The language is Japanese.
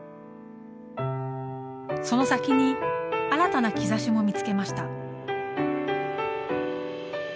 その先に新たな兆しも見つけました。